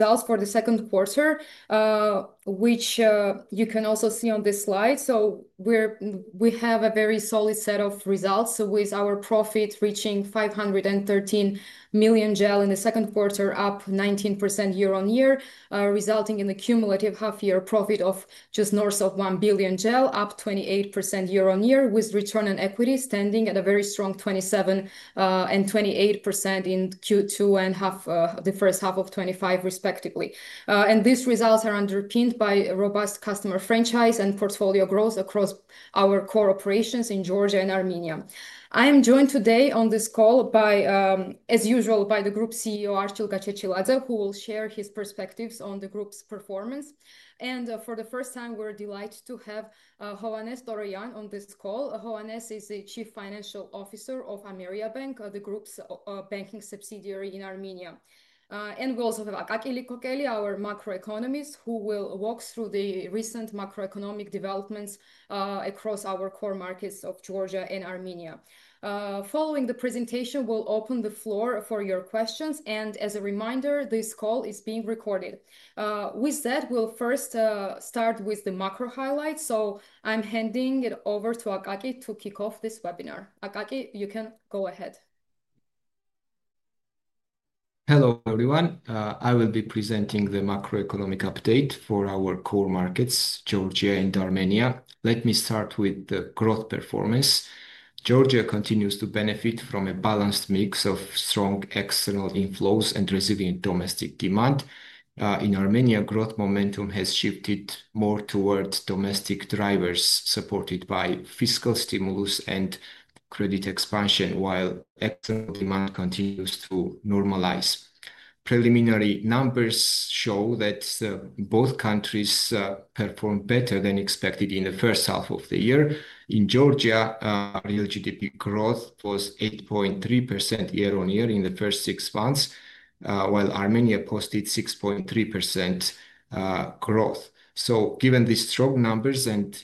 For the second quarter, which you can also see on this slide, we have a very solid set of results with our profit reaching GEL 513 million in the second quarter, up 19% year-on-year, resulting in the cumulative half-year profit of just north of GEL 1 billion, up 28% year-on-year, with return on equity standing at a very strong 27% and 28% in Q2 and H1 2025 respectively. These results are underpinned by a robust customer franchise and portfolio growth across our core operations in Georgia and Armenia. I am joined today on this call as usual by the Group CEO Archil Gachechiladze, who will share his perspectives on the group's performance. For the first time, we're delighted to have Hovhannes Toroyan on this call. Hovhannes is the Chief Financial Officer of Ameriabank, the group's banking subsidiary in Armenia. We also have Akaki Liqokeli, our macroeconomist, who will walk through the recent macroeconomic developments across our core markets of Georgia and Armenia. Following the presentation, we'll open the floor for your questions and as a reminder, this call is being recorded. With that, we'll first start with the macro highlights, so I'm handing it over to Akaki to kick off this webinar. Akaki, you can go ahead. Hello everyone, I will be presenting the macroeconomic update for our core markets, Georgia and Armenia. Let me start with the growth performance. Georgia continues to benefit from a balanced mix of strong external inflows and resilient domestic demand. In Armenia, growth momentum has shifted more toward domestic drivers supported by fiscal stimulus and credit expansion, while actor demand continues to normalize. Preliminary numbers show that both countries performed better than expected in the first half of the year. In Georgia, real GDP growth was 8.3% year-on-year in the first six months, while Armenia posted 6.3% growth. Given the strong numbers and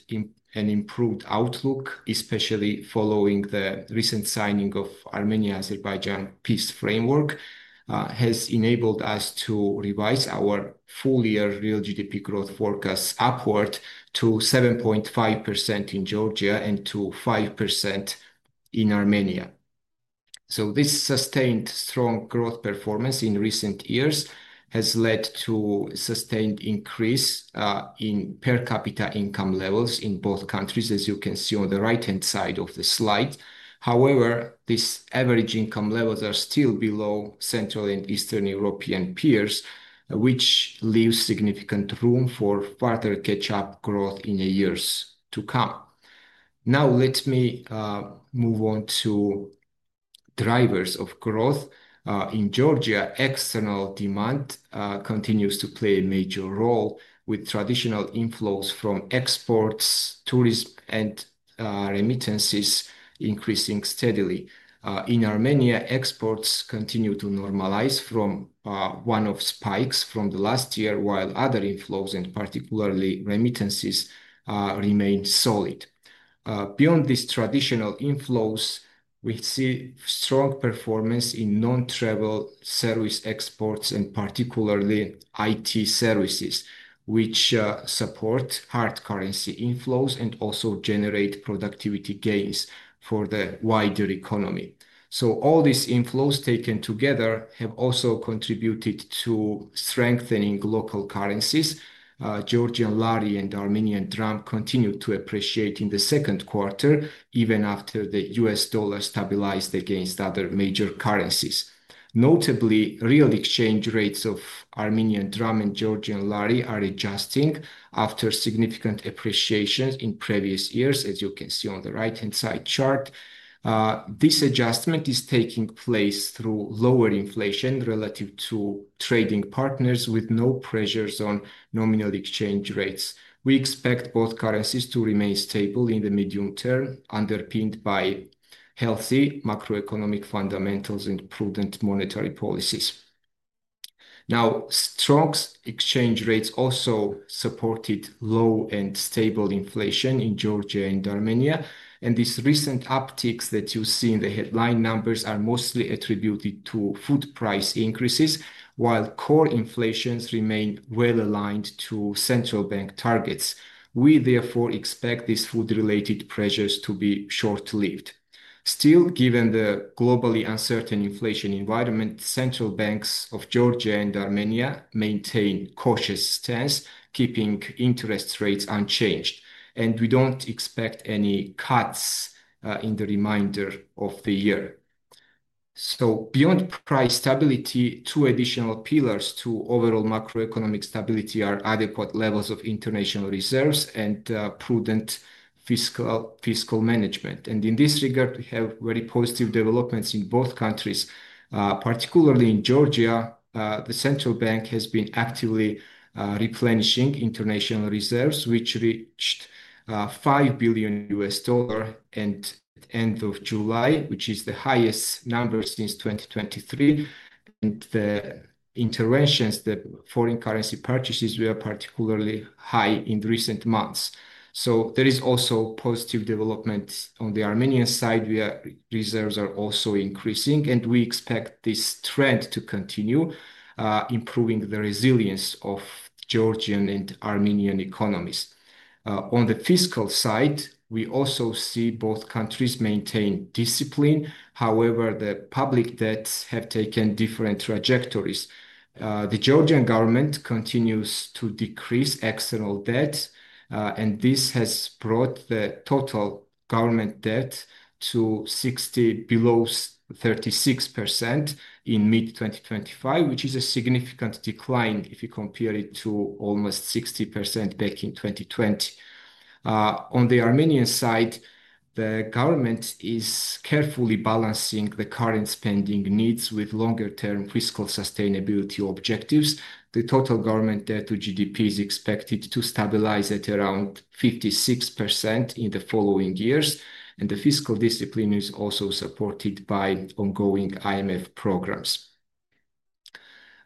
improvements, an improved outlook, especially following the recent signing of Armenia Azerbaijan peace framework, has enabled us to revise our full year real GDP growth forecast upward to 7.5% in Georgia and to 5% in Armenia. This sustained strong growth performance in recent years has led to sustained increase in per capita income levels in both countries as you can see on the right hand side of the slide. However, these average income levels are still below Central and Eastern European peers, which leaves significant room for further catch up growth in the years to come. Now let me move on to drivers of growth in Georgia. External demand continues to play a major role with traditional inflows from exports, tourism, and remittances increasing steadily. In Armenia, exports continue to normalize from one off spikes from the last year, while other inflows and particularly remittances remained solid. Beyond these traditional inflows, we see strong performance in non travel service exports and particularly IT services, which support hard currency inflows and also generate productivity gains for the wider economy. All these inflows taken together have also contributed to strengthening local currencies. Georgian Lari and Armenian Dram continued to appreciate in the second quarter even after the U.S. Dollar stabilized against other major currencies. Notably, real exchange rates of Armenian Dram and Georgian Lari are adjusting after significant appreciations in previous years, as you can see on the right hand side chart. This adjustment is taking place through lower inflation relative to trading partners with no pressures on nominal exchange rates. We expect both currencies to remain stable in the medium-term, underpinned by healthy macroeconomic fundamentals and prudent monetary policies. Now, strong exchange rates also supported low and stable inflation in Georgia and Armenia, and these recent upticks that you see in the headline numbers are mostly attributed to price increases. While core inflations remain well aligned to central bank targets, we therefore expect these food-related pressures to be short lived. Still, given the globally uncertain inflation environment, central banks of Georgia and Armenia maintain a cautious stance, keeping interest rates unchanged, and we don't expect any cuts in the remainder of the year. Beyond price stability, two additional pillars to overall macroeconomic stability are adequate levels of international reserves and prudent fiscal management. In this regard, we have very positive developments in both countries, particularly in Georgia. The central bank has been actively replenishing international reserves, which reached $5 billion at the end of July, which is the highest number since 2023. The interventions, the foreign currency purchases, were particularly high in recent months. There is also positive development on the Armenian side, where reserves are also increasing, and we expect this trend to continue, improving the resilience of Georgian and Armenian economies. On the fiscal side, we also see both countries maintain discipline. However, the public debts have taken different trajectories. The Georgian government continues to decrease external debt, and this has brought the total government debt to below 36% in mid-2025, which is a significant decline if you compare it to almost 60% back in 2020. On the Armenian side, the government is carefully balancing the current spending needs with longer-term fiscal sustainability objectives. The total government debt to GDP is expected to stabilize at around 56% in the following years, and the fiscal discipline is also supported by ongoing IMF programs.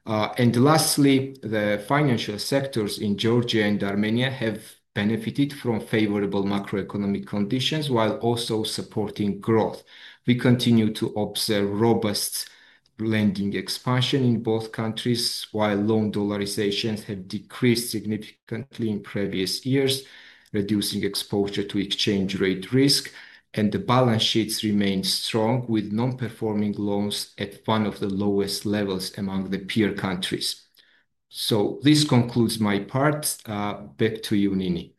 Lastly, the financial sectors in Georgia and Armenia have benefited from favorable macroeconomic conditions while also supporting growth. We continue to observe robust lending expansion in both countries. While loan dollarizations have decreased significantly in previous years, reducing exposure to exchange rate risk, the balance sheets remained strong with non-performing loans at one of the lowest levels among the peer countries. This concludes my part. Back to you, Nini.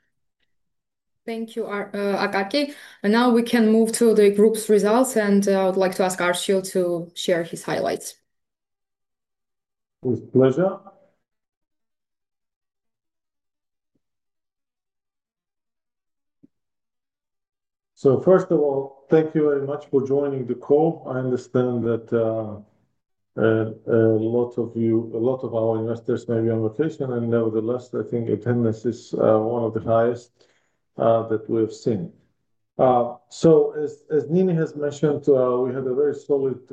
Thank you, Akaki. Now we can move to the group's results, and I would like to ask Archil to share his highlights. With pleasure. First of all, thank you very much for joining the call. I understand that a lot of our investors may be on location and nevertheless I think attendance is one of the highest that we have seen. As Nini has mentioned, we had very solid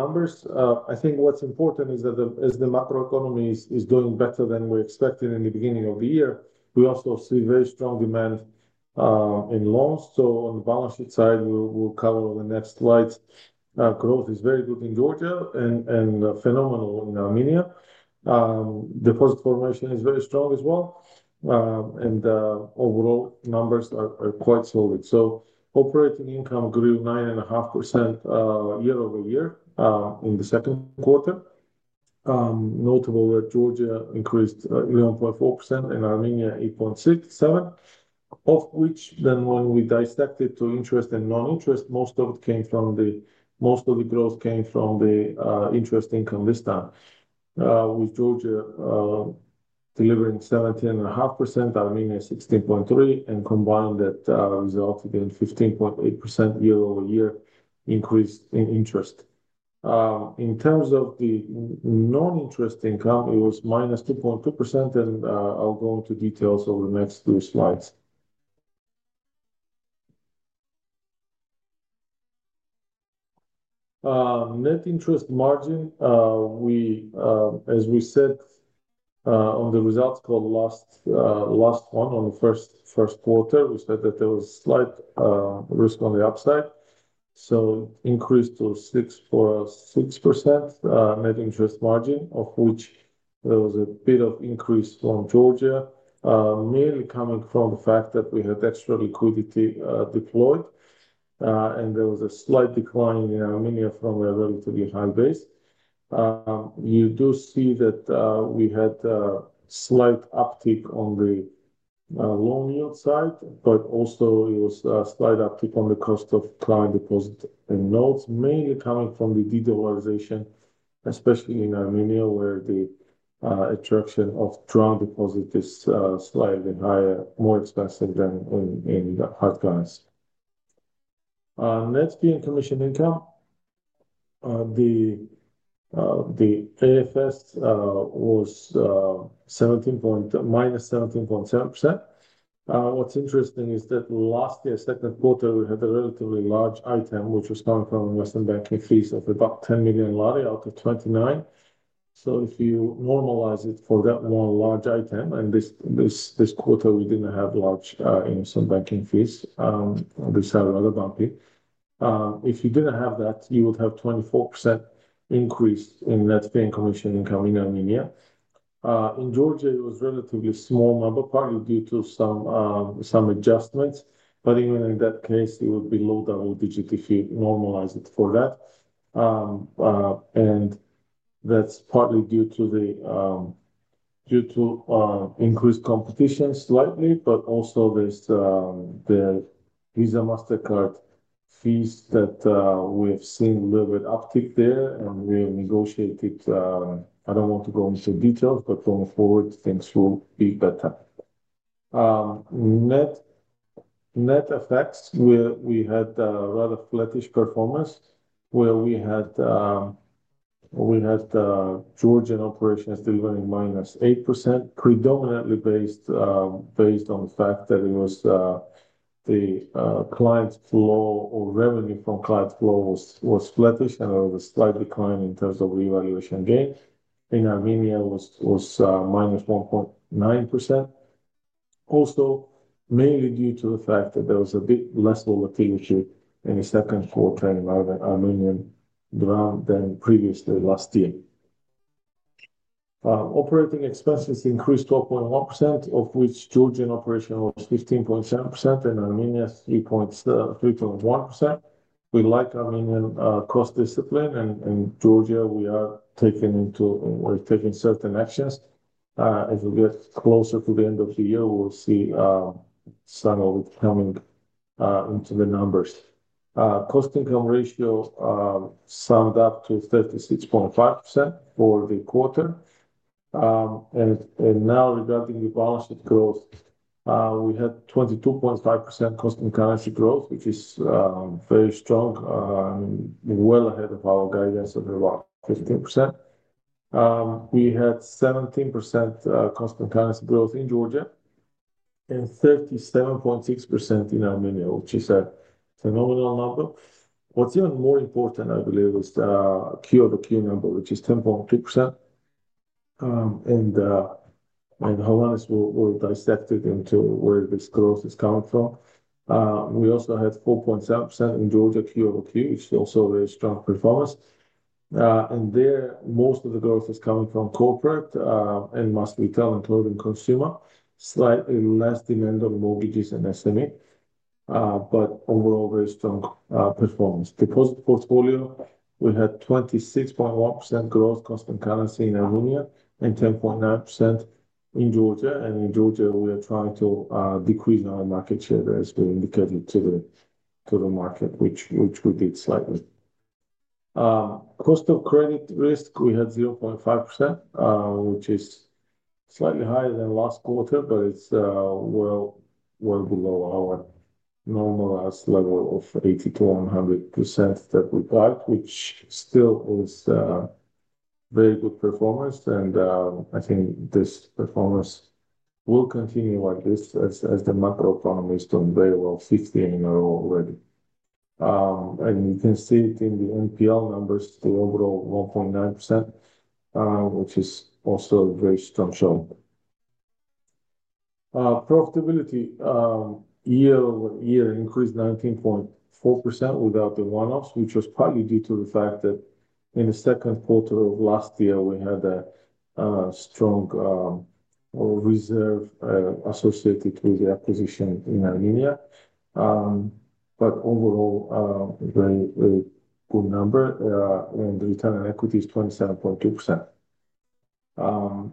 numbers. I think what's important is that as the macro economy is doing better than we expected in the beginning of the year, we also see very strong demand in loans. On the balance sheet side, we'll cover the next slides. Growth is very good in Georgia and phenomenal in Armenia. Deposit formation is very strong as well and overall numbers are quite solid. Operating income grew 9.5% year-over-year in the second quarter, notable that Georgia increased 11.4% and Armenia 8.67%, of which when we dissect it to interest and non-interest, most of the growth came from the interest income, with Georgia delivering 17.5%, Armenia 16.3%, and combined that resulted in 15.8% year-over-year increase in interest. In terms of the non-interest income, it was minus 2.2% and I'll go into details over the next two slides. Net interest margin, as we said on the results call last quarter, we said that there was slight risk on the upside, so increased to 6.46% net interest margin, of which there was a bit of increase from Georgia, mainly coming from the fact that we had extra liquidity deployed, and there was a slight decline in Armenia from a relatively high base. You do see that we had slight uptick on the loan yield side, but also it was a slight uptick on the cost of prime deposit and notes, mainly coming from the devaluation, especially in Armenia where the attraction of drawn deposit is slightly higher, more expensive than in hard cash. Let's be in commission intel. The NFS was -17.7%. What's interesting is that last year, second quarter, we had a relatively large item which was down from investment banking fees of about $10 million out of $29 million. If you normalize it for that one large item, and this quarter we didn't have large investment banking fees, they sound rather bumpy. If you didn't have that, you would have 24% increase in net fee and commission income in Armenia. In Georgia, it was relatively small number, probably due to some adjustments. Even in that case, it would be low double digit if you normalize it for that. That's partly due to increased competition slightly, but also the Visa Mastercard fees that we have seen a little bit uptick there and we negotiated. I don't want to go into details, but going forward things will be better. Net effects, we had rather flattish performance where we had Georgian operations delivering -8%, predominantly based on the fact that it was the client's flow or revenue from client flow was flattish and there was a slight decline in terms of revaluation. Gain in Armenia was -1.9%, also mainly due to the fact that there was a bit less volatility in a second for trading Armenian ground than previously. Last year, operating expenses increased 12.1%, of which Georgian operational is 15.7% and Armenia 3.1%. We like Armenian cost discipline and in Georgia we are taking into. We're taking certain actions. As we get closer to the end of the year, we'll see some of it coming into the numbers. Cost income ratio summed up to 36.5% for the quarter. Now regarding the balance sheet growth, we had 22.5% constant currency growth, which is very strong, well ahead of our guidance of about 15%. We had 17% constant currency growth in Georgia and 37.6% in Armenia, which is a phenomenal number. What's even more important, I believe, is Q-over-Q number, which is 10.3%, and Hovhannes will dissect it into where this growth is coming from. We also had 4.7% in Georgia Q, which is also very strong performance. There, most of the growth is coming from corporate and mass retail, including consumer and slightly less demand on mortgages and SME. Overall, very strong performance. Deposit portfolio, we had 26.1% growth constant currency in Armenia and 10.9% in Georgia. In Georgia, we are trying to decrease our market share as we indicated to the market, which we did slightly. Cost of risk, we had 0.5%, which is slightly higher than last quarter, but it's well below our normalized level of 80%-100% that we got, which still was very good performance. I think this performance will continue like this as the macro economy is doing very well, 50 in a row already, and you can see it in the NPL numbers. The overall 1.9%, which is also very strong. Profitability year-over-year increased 19.4% without the one-offs, which was partly due to the fact that in the second quarter of last year we had a strong reserve associated with the acquisition in Armenia. Overall, very good number. The return on equity is 27.2%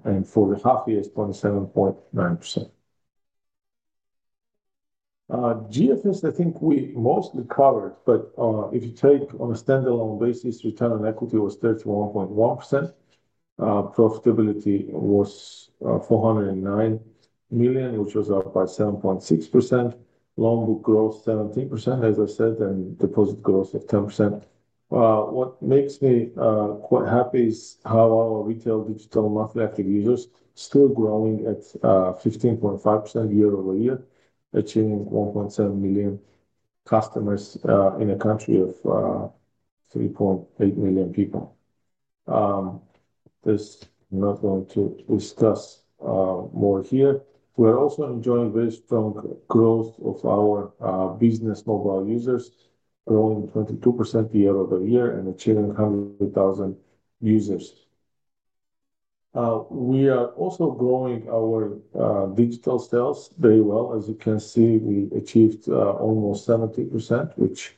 and for the half year it's 27.9%. GFS I think we mostly covered, but if you take on a standalone basis, return on equity was 31.1%. Profitability was $409 million, which was dropped by 7.6%. Loan book growth 17% as I said, and deposit growth of 10%. What makes me quite happy is how our retail digital monthly active users still growing at 15.5% year-over-year, achieving 1.7 million customers in a country of 3.8 million people. There's not going to discuss more here. We are also enjoying very strong growth of our business mobile users growing 22% year-over-year and achieving 100,000 users. We are also growing our digital sales very well. As you can see, we achieved almost 70%, which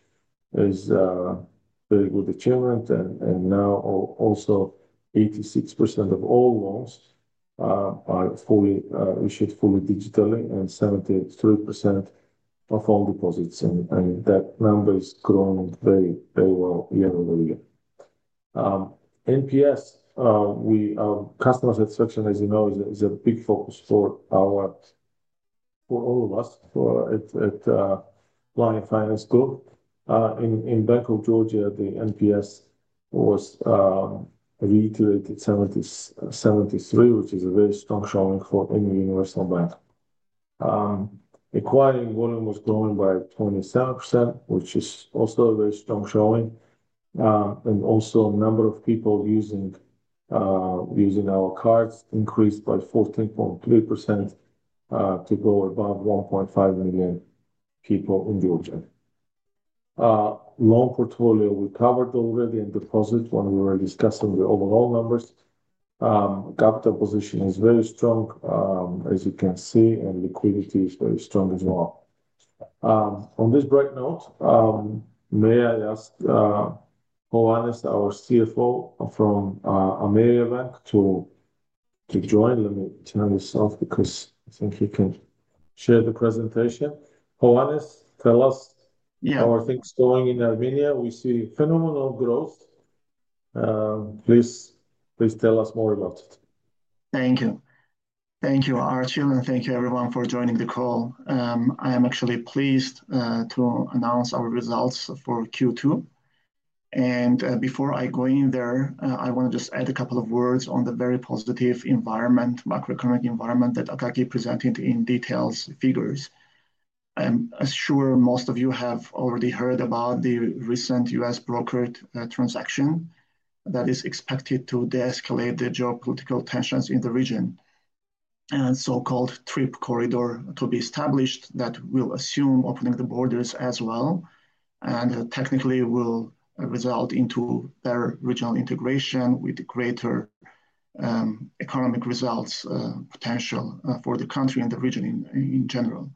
is very different. Now also 86% of all loans are fully issued fully digitally, and 73% are phone deposits, and that number is growing very well year-over-year. NPS customer satisfaction, as you know, is a big focus for all of us. At Lion Finance Group in Bank of Georgia, the NPS was reiterated 73, which is a very strong showing for any universal bank. Acquiring volume was growing by 27%, which is also a very strong showing. Also, number of people using our cards increased by 14.3% to go above 1.5 million people in Georgia. Loan portfolio, we covered already, and deposit when we were discussing the overall numbers. Capital position is very strong, as you can see, and liquidity is very strong as well. On this bright note, may I ask our CFO from Ameriabank to join? Let me tell him yourself because I think he can share the presentation. Hovhannes, tell us how are things going in Armenia? We see phenomenal growth. Please tell us more about it. Thank you, thank you Archil and thank you everyone for joining the call. I am actually pleased to announce our results for Q2 and before I go in there I want to just add a couple of words on the very positive macroeconomic environment that Akaki presented in detailed figures. I'm sure most of you have already heard about the recent U.S. brokered transaction that is expected to de-escalate the geopolitical tensions in the region and the so-called trip corridor to be established. That will assume opening the borders as well and technically will result in the regional integration with greater economic results potential for the country and the region in general.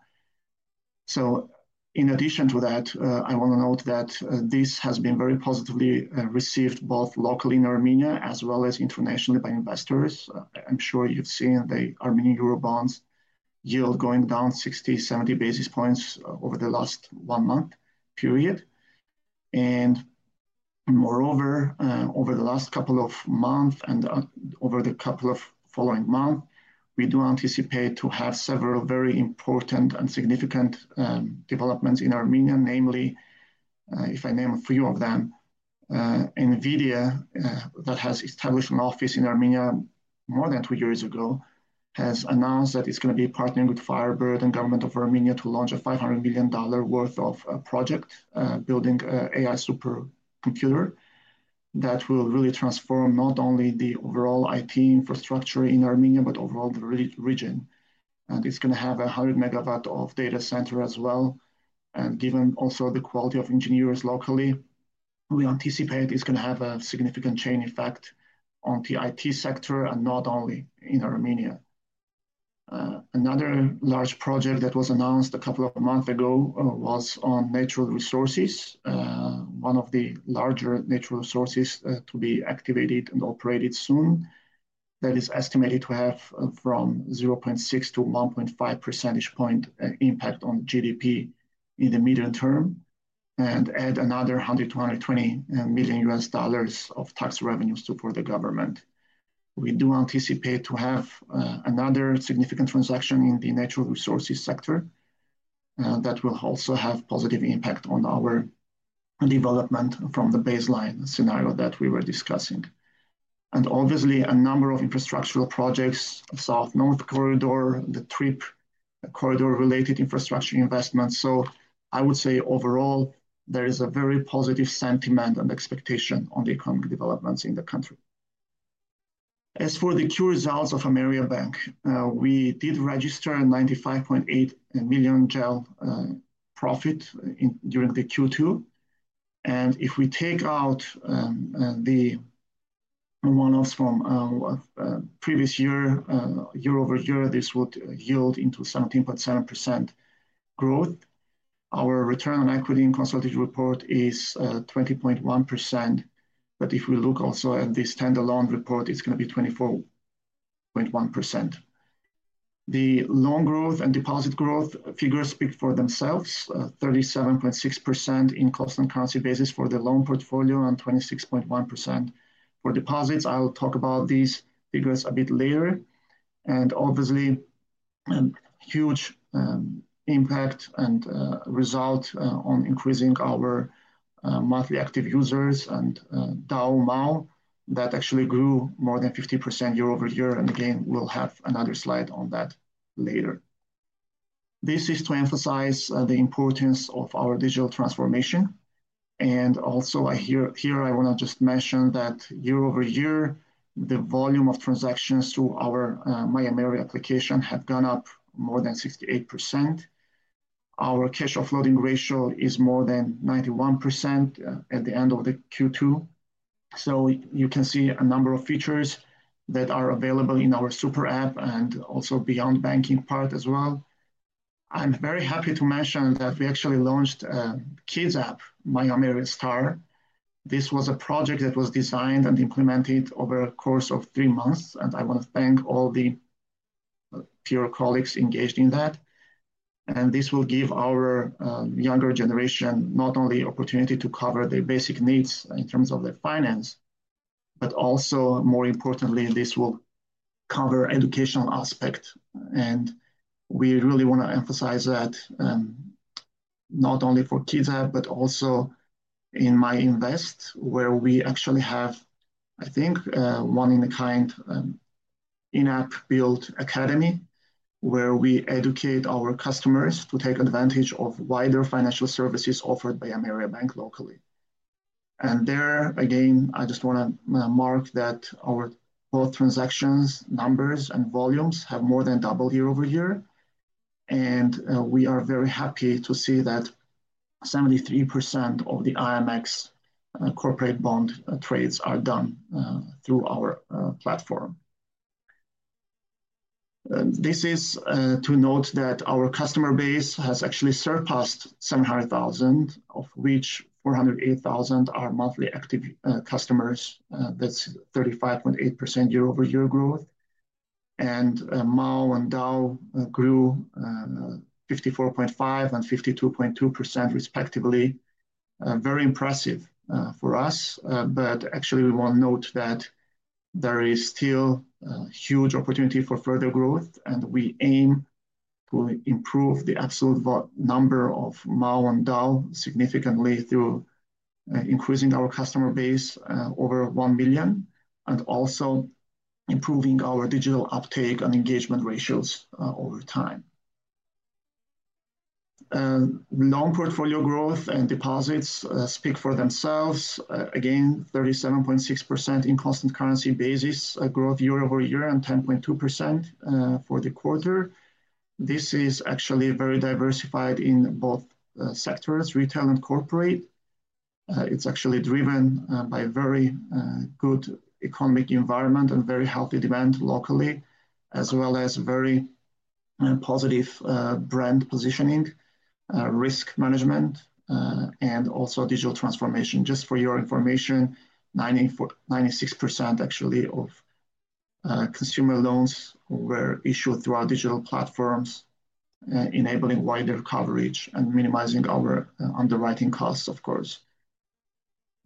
In addition to that I want to note that this has been very positively received both locally in Armenia as well as internationally by investors. I'm sure you've seen the Armenian Eurobonds yield going down 60-70 basis points over the last one month period and moreover over the last couple of months and over the couple of following months we do anticipate to have several very important and significant developments in Armenia. Namely, if I name a few of them, NVIDIA that has established an office in Armenia more than two years ago has announced that it's going to be partnering with Firebird and the government of Armenia to launch a $500 million project building an AI data center that will really transform not only the overall IT infrastructure in Armenia but overall the region. It's going to have a 100 MW data center as well. Given also the quality of engineers locally, we anticipate it's going to have a significant chain effect on the IT sector and not only in Armenia. Another large project that was announced a couple of months ago was on natural resources. One of the larger natural resources to be activated and operated soon is estimated to have from 0.6%-1.5% impact on GDP in the medium term and add another $120 million of tax revenue to support the government. We do anticipate to have another significant transaction in the natural resources sector that will also have positive impact on our development from the baseline scenario that we were discussing and obviously a number of infrastructural projects, south-north corridor, the trip corridor related infrastructure investments. I would say overall there is a very positive sentiment and expectation on the economic developments in the country. As for the Q results of Ameriabank, we did register $95.8 million GEL profit during Q2 and if we take out the one-off from previous year year-over-year, this would yield into 17.7% growth. Our return on equity in consulted report is 20.1% but if we look also at this standalone report it's going to be 24%. The loan growth and deposit growth figures speak for themselves: 37.6% in constant currency basis for the loan portfolio and 26.1% for deposits. I will talk about these figures a bit later, and obviously huge impact and result on increasing our monthly active users and DAU/MAU that actually grew more than 50% year-over-year. Again, we'll have another slide on that later. This is to emphasize the importance of our digital transformation, and also here I want to just mention that year-over-year the volume of transactions through our Maya Mary application have gone up more than 68%. Our cash offloading ratio is more than 91% at the end of Q2, so you can see a number of features that are available in our super app and also beyond banking part as well. I'm very happy to mention that we actually launched kids app Miami Star. This was a project that was designed and implemented over a course of three months, and I want to thank all the colleagues engaged in that. This will give our younger generation not only opportunity to cover their basic needs in terms of the finance but also more importantly this will cover educational aspect, and we really want to emphasize that not only for kids app but also in MyInvest where we actually have I think one in a kind in-app built academy where we educate our customers to take advantage of wider financial services offered by Ameriabank locally. There again I just want to mark that our both transactions numbers and volumes have more than doubled year-over-year, and we are very happy to see that 73% of the IMX corporate bond trades are done through our platform. This is to note that our customer base has actually surpassed 700,000 of which 408,000 are monthly active customers. That's 35.8% year-over-year growth, and MAU and DAU grew 54.5% and 52.2% respectively. Very impressive for us. Actually, we want to note that there is still huge opportunity for further growth, and we aim to improve the absolute number of MAU and DAU significantly through increasing our customer base over 1 million and also improving our digital uptake and engagement ratios over time. Loan portfolio growth and deposits speak for themselves again, 37.6% in constant currency basis growth year-over-year and 10.2% for the quarter. This is actually very diversified in both sectors, retail and corporate. It's actually driven by a very good economic environment and very healthy demand locally as well as very positive brand positioning, risk management, and also digital transformation. Just for your information, 96% actually of consumer loans were issued through our digital platforms, enabling wider coverage and minimizing our underwriting costs. Of course,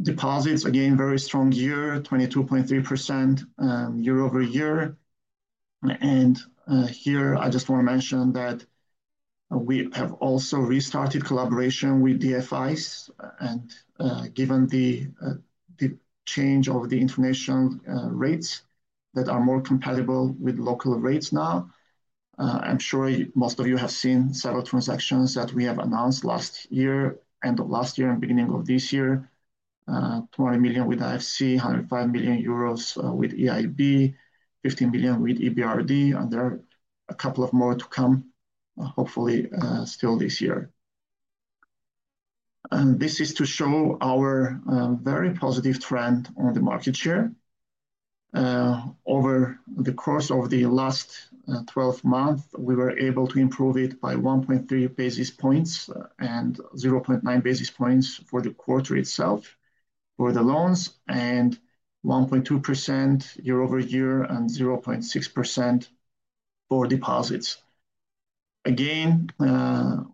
deposits again very strong year, 22.3% year-over-year. Here I just want to mention that we have also restarted collaboration with DFIs and given the change of the international rates that are more compatible with local rates now. I'm sure most of you have seen several transactions that we have announced last year, end of last year and beginning of this year: $20 million with IFC, 105 million euros with EIB, $15 million with EBRD. There are a couple more to come hopefully still this year. This is to show our very positive trend on the market share over the course of the last 12 months. We were able to improve it by 1.3 basis points and 0.9 basis points for the quarter itself for the loans and 1.2% year-over-year and 0.6% for deposits. Again,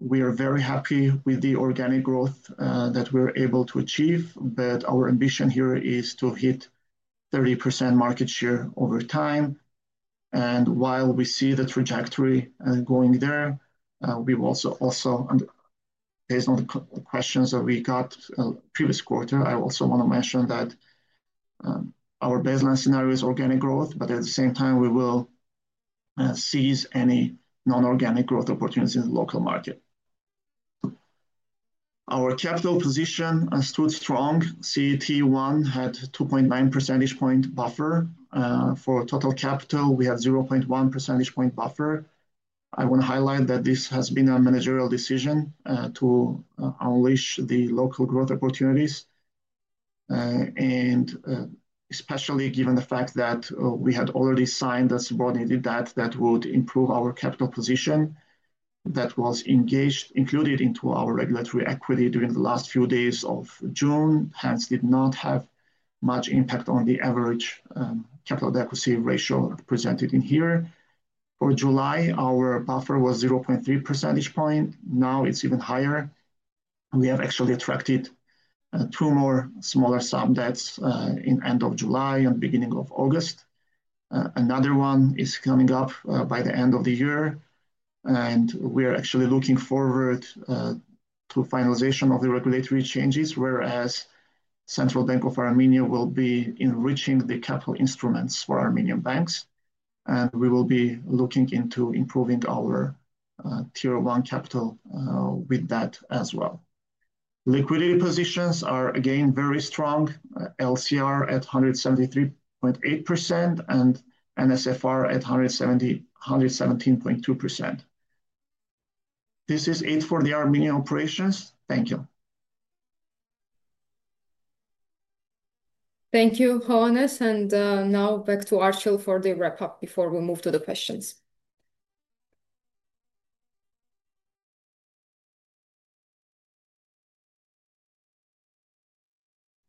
we are very happy with the organic growth that we're able to achieve. Our ambition here is to hit 30% market share over time. While we see the trajectory going there, based on the questions that we got previous quarter, I also want to mention that our baseline scenario is organic growth. At the same time, we will seize any non-organic growth opportunities in the local market. Our capital position stood strong. CET1 had 2.9 percentage point buffer. For total capital, we have 0.1 percentage point buffer. I want to highlight that this has been a managerial decision to unleash the local growth opportunities, especially given the fact that we had already signed a subordinated debt that would improve our capital position that was engaged, included into our regulatory equity during the last few days of June, hence did not have much impact on the average capital deposit ratio presented in here. For July, our buffer was 0.3 percentage point. Now it's even higher. We have actually attracted two more smaller sum debts in end of July and beginning of August. Another one is coming up by the end of the year and we're actually looking forward to finalization of the regulatory changes. Whereas Central Bank of Armenia will be enriching the capital instruments for Armenian banks and we will be looking into improving our Tier 1 capital with that as well. Liquidity positions are again very strong. LCR at 173.8% and NSFR at 117.2%. This is it for the Armenian operations. Thank you. Thank you, Hovhannes. Now back to Archil for the wrap up. Before we move to the questions,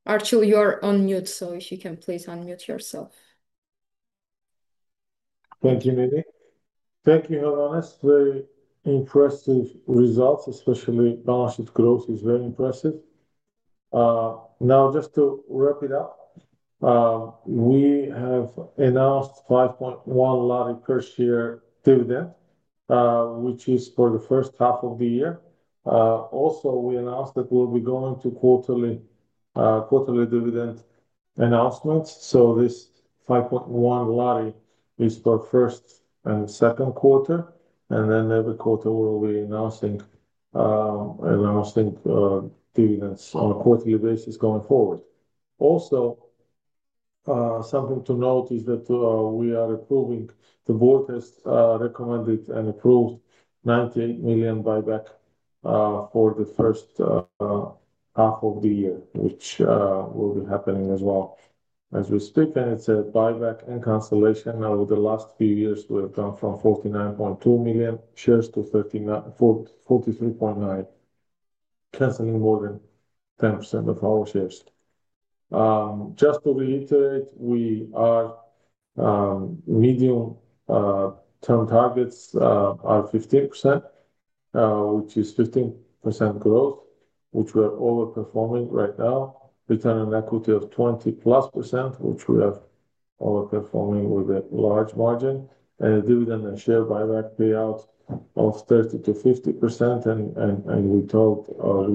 Archil, you are on mute. If you can, please unmute yourself. Thank you, Nidhi. Thank you. Hello. Very impressive results. Especially balance sheet growth is very impressive. Now just to wrap it up, we have announced AMD 5.1 per share dividend which is for the first half of the year. Also, we announced that we'll be going to quarterly dividend announcements. This AMD 5.1 is for first and second quarter, and then every quarter will be on a quarterly basis going forward. Also, something to note is that we are approving, the board has recommended and approved, AMD 90 million buybacks for the first half of the year which will be happening as well as we speak. It's a buyback and cancellation. Now, in the last few years we've gone from 49.2 million shares to 43.9 million, canceling more than 10% of our shares. Just to reiterate, our medium-term targets are 50% which is 15% growth which we're overperforming right now, return on equity of 20%+ which we are performing with a large margin, dividend and share buyback payout of 30%-50%. We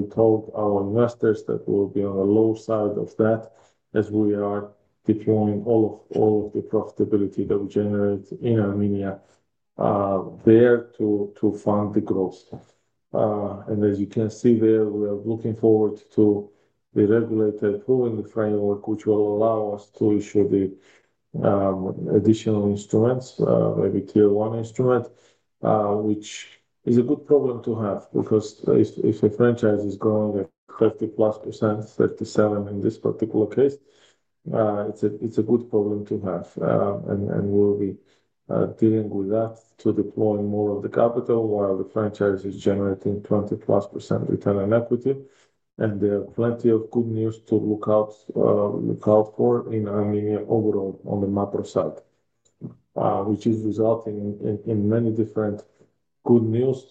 told our investors that we'll be on the low side of that as we are deploying all of the profitability that we generate in Armenia there to fund the growth. As you can see, we are looking forward to the regulator approving the framework which will allow us to issue the additional instruments, maybe Tier 1 instrument, which is a good problem to have because if a franchise has gone that 50%+, 37% in this particular case, it's a good problem to have and we'll be dealing with that to deploy more of the capital while the franchise is generating 20%+ return on equity. There are plenty of good news to look out for in Armenia overall on the macro side which is resulting in many different good news.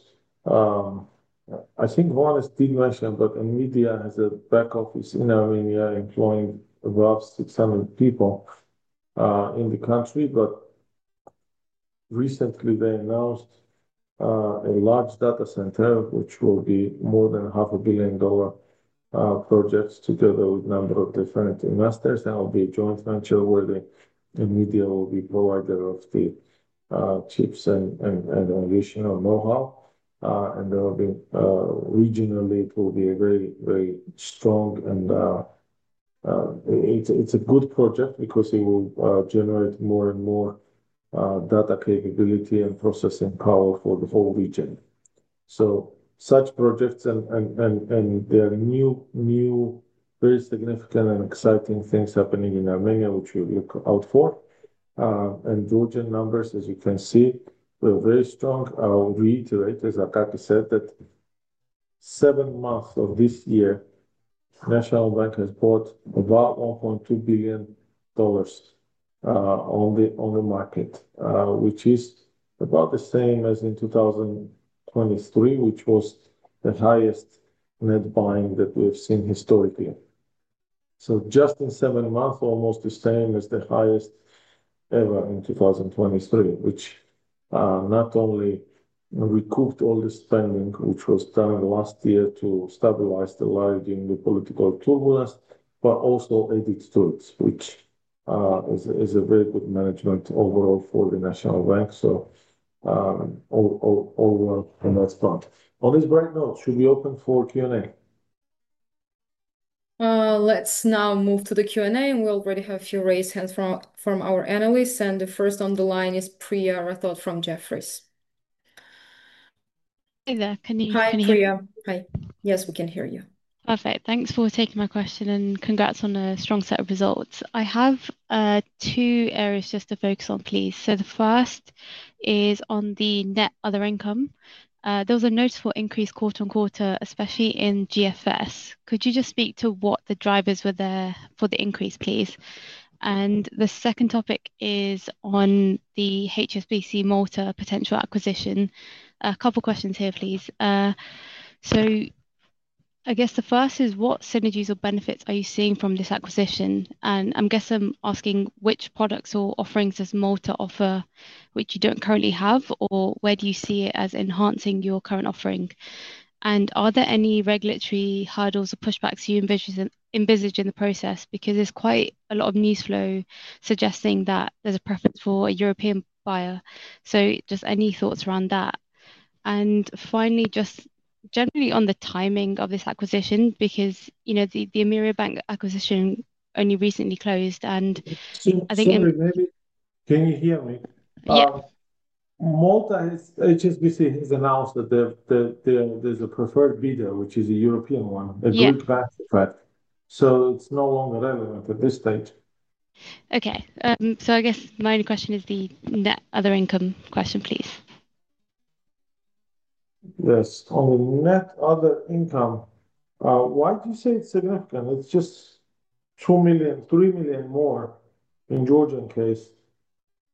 I think one has been NVIDIA has a back office in Armenia employing above 600 people in the country. Recently, they announced a large data center which will be more than a $500,000 project together with a number of definitive investors. That will be a joint venture where NVIDIA will be provider of the chips and additional know-how, and regionally it will be very, very strong. It's a good project because it will generate more and more data capability and processing power for the whole region. Such projects and there are new, very significant and exciting things happening in Armenia which we look out for. Georgian numbers, as you can see, were very strong. I'll reiterate, as Akaki said, that seven months of this year National Bank has bought about $1.2 billion on the market, which is about the same as in 2023, which was the highest net buying that we've seen historically. Just in seven months, almost the same as the highest ever in 2023, which not only recouped all the spending which was done last year to stabilize the lighting, the political tools, but also added to it, which is a very good management overall for the National Bank all on this fund. On this bright note should be open for Q&A. Let's now move to the Q&A. We already have a few raised hands from our analysts. The first on the line is Priya Rathod from Jefferies. Hi there, can you hear me? Priya, hi. Yes, we can hear you. Perfect. Thanks for taking my question and congrats on a strong set of results. I have two areas just to focus on, please. The first is on the net other income, there was a noticeable increase quarter-on-quarter, especially in GFS. Could you just speak to what the drivers were there for the increase, please? The second topic is on the HSBC Malta potential acquisition. A couple questions here, please. I guess the first is what synergies or benefits are you seeing from this acquisition? I guess I'm asking which products or offerings does Malta offer which you don't currently have or where do you see it as enhancing your current offering? Are there any regulatory hurdles or pushbacks you envisage in the process? There's quite a lot of news flow suggesting that there's a preference for a European buyer. Just any thoughts around that? Finally, just generally on the timing of this acquisition because you know, the Ameriabank acquisition only recently closed. I think maybe. Can you hear me? HSBC Malta has announced that there's a preferred bidder, which is a European one, a good vaccine. It's no longer relevant at this date. Okay, I guess my only question is the net other income question, please. Yes, on the net other income, why do you say it's significant? It's just $2 million, $3 million more in the Georgian case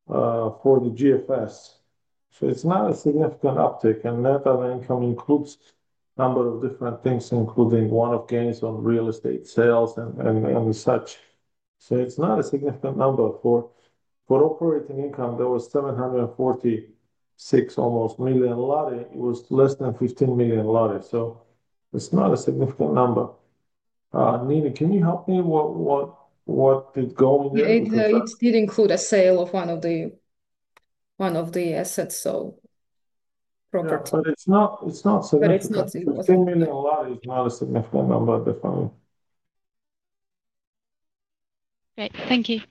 for the GFS. It's not a significant uptick. Net other income includes a number of different things, including one-off gains on real estate sales and such. It's not a significant number. For operating income, there was almost GEL 746 million. It was less than GEL 15 million. It's not a significant number. Nini, can you help me with what the goal is? It did include a sale of one of the assets. It's not significant. GEL 10 million is not a significant number at the firm. Great, thank you.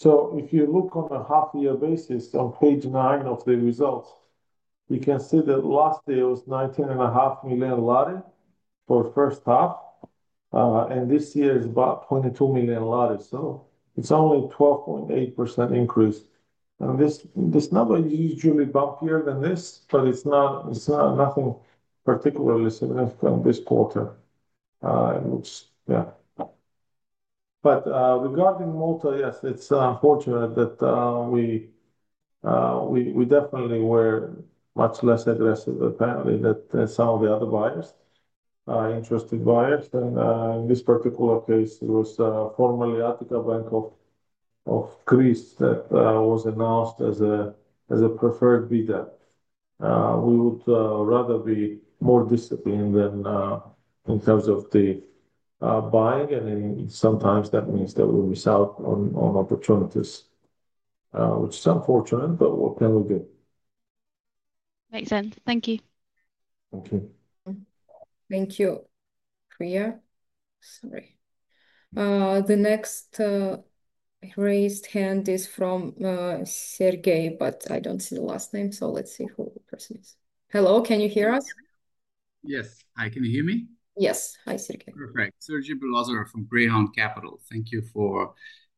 If you look on a half-year basis on page 9 of the results, you can see that last year was GEL 19.5 million for the first half and this year is about GEL 22 million. It's only a 12.8% increase. This number is usually bulkier than this, but it's not, it's nothing particularly significant this quarter. Regarding Malta, yes, it's unfortunate that we definitely were much less aggressive apparently than some of the other interested buyers. In this particular case, there was formal Attica Bank of Greece that was announced as a preferred bidder. We would rather be more disciplined in terms of the buying and sometimes that means that we'll miss out on opportunities, which is unfortunate. What can we get? Makes sense. Thank you. Thank you. Thank you Priya. Sorry, the next raised hand is from Sergej, but I don't see the last name. Let's see who. Hello, can you hear us? Yes, hi, can you hear me? Yes, hi, Sergej. Perfect. Sergej Belozerov from Greyhound Capital. Thank you for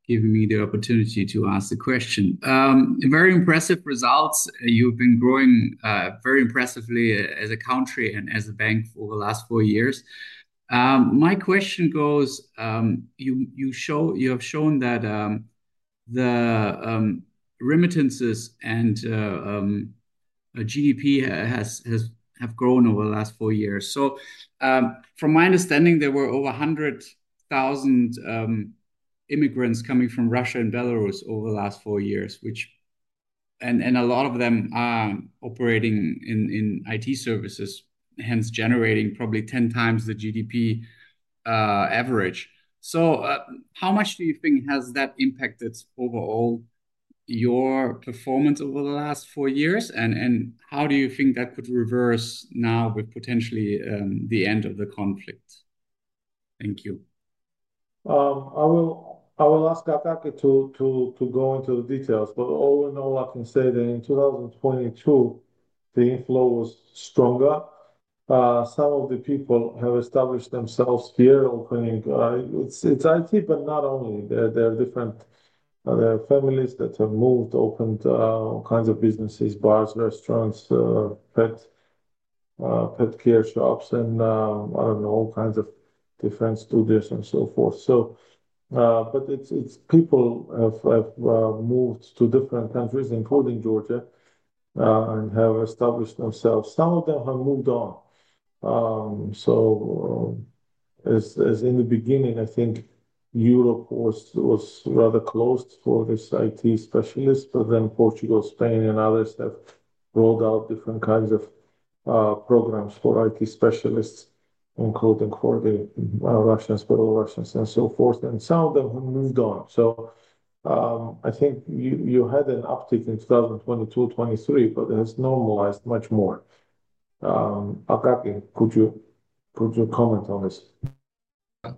giving me the opportunity to ask the question. Very impressive results. You've been growing very impressively as a country and as a bank over the last four years. My question goes to you. You have shown that the remittances and GDP have grown over the last four years. From my understanding, there were over 100,000 immigrants coming from Russia and Belarus over the last four years, and a lot of them operating in IT services, hence generating probably 10x the GDP average. How much do you think has that impacted overall your performance over the last four years? How do you think that could reverse now with potentially the end of the conflict? Thank you. I will ask Akaki to go into the details, but all in all I can say that in 2022 the inflow was stronger. Some of the people have established themselves, opened all kinds of businesses, bars, restaurants, pet care shops, and I don't know, all kinds of different studios and so forth. People have moved to different countries, including Georgia, and have established themselves. Some of them have moved on. As in the beginning, I think Europe was rather closed for these IT specialists, but then Portugal, Spain, and others rolled out different kinds of programs for IT specialists, including for the Russians, and some moved on. I think you had an uptick in 2022, 2023, but it has normalized much more. Akaki, could you comment on this?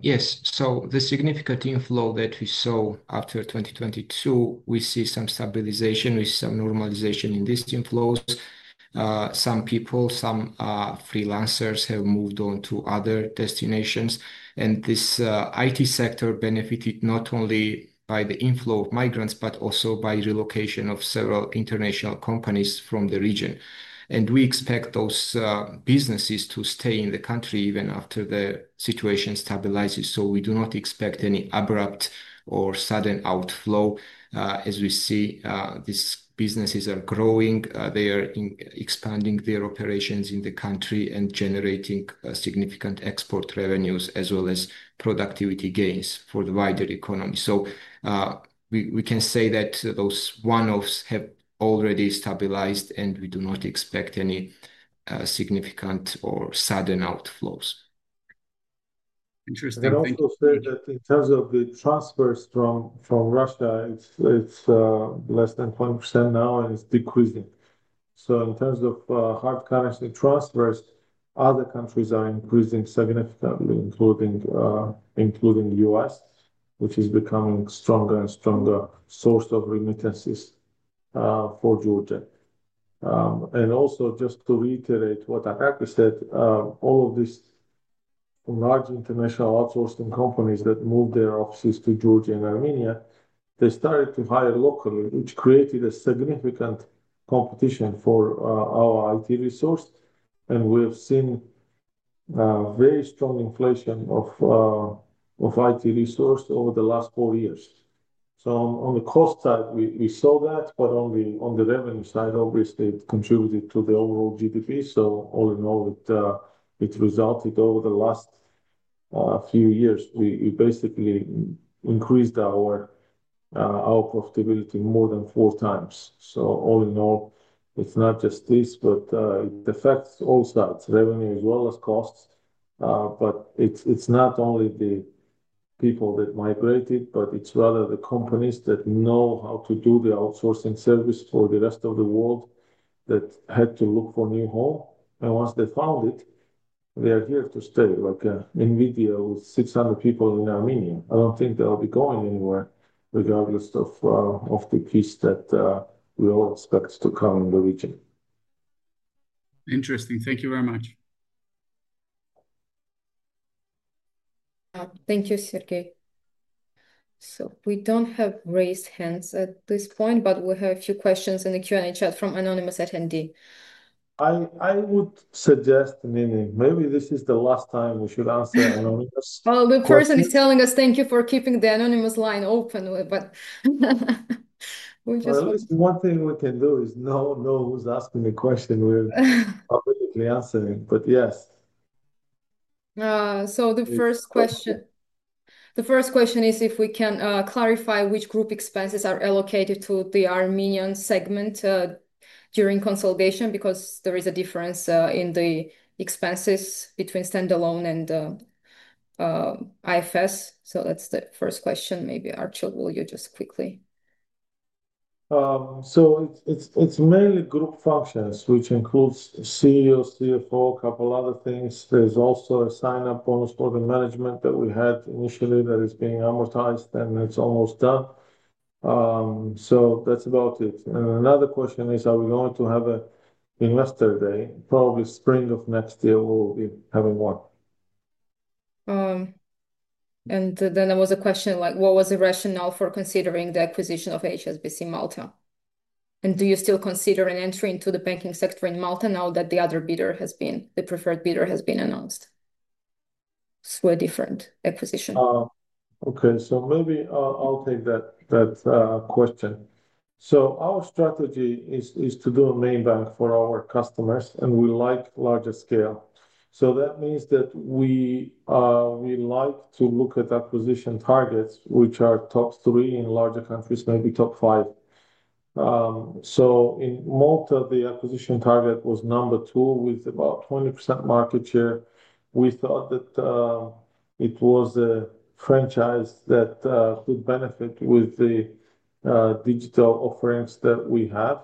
Yes. The significant inflow that we saw after 2022, we see some stabilization, we see some normalization in this inflow. Some people, some freelancers have moved on to other destinations. This IT sector benefited not only by the inflow of migrants, but also by relocation of several international companies from the region. We expect those businesses to stay in the country even after the situation stabilizes. We do not expect any abrupt or sudden outflow. As we see, these businesses are growing, they are expanding their operations in the country and generating significant export revenues as well as productivity gains for the wider economy. We can say that those one-offs have already stabilized and we do not expect any significant or sudden outflows. Interesting. I can also say that in terms of the transfers from Russia, it's less than 1% now and it's decreasing. In terms of hard currency transfers, other countries are increasing significantly, including the U.S., which is becoming a stronger and stronger source of remittances for Georgia. Also, just to reiterate what an episode, all of these large international outsourcing companies that moved their offices to Georgia and Armenia, they started to hire locally, which created significant competition for our IT resource. We've seen very strong inflation of IT resource over the last four years. On the cost side, we saw that. On the revenue side, obviously it contributed to the overall GDP. All in all, it resulted. Over the last few years, we basically increased our profitability more than 4x. All in all, it's not just this, but it affects all sources of revenue as well as costs. It's not only the people that migrated, but it's rather the companies that know how to do the outsourcing service for the rest of the world that had to look for a new home, and once they found it, they are here to stay. Like NVIDIA, with 600 people in Armenia, I don't think they'll be going anywhere regardless of the peace that we all expect to come in the region. Interesting. Thank you very much. Thank you, Sergej. We don't have raised hands at this point, but we have a few questions in the Q&A chat. From anonymous attendee, I would suggest, meaning maybe this is the last time we should answer anonymous. The person is telling us thank you for keeping the anonymous line open. One thing we can do is know who's asking the question we're answering, yes. The first question is if we can clarify which group expenses are allocated to the Armenian segment during consolidation because there is a difference in the expenses between standalone and IFRS. That's the first question. Maybe Archil, will you just quickly. It is mainly group functions, which includes CEO, CFO, couple other things. There is also a sign-up bonus for the management that we had initially that is being advertised, and it is almost done. That is about it. Another question is are we going to have an investor day? Probably spring of next year we will be having one. There was a question like what was the rationale for considering the acquisition of HSBC Malta? Do you still consider an entry into the banking sector in Malta now that the other bidder has been the preferred bidder and has been announced, a different acquisition. Okay, maybe I'll take that question. Our strategy is to be a main bank for our customers and we like larger scale. That means we like to look at acquisition targets which are top three in larger countries, maybe top five. In Malta, the acquisition target was number two with about 20% market share. We thought that it was a franchise that could benefit with the digital offerings that we had